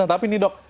tapi ini dok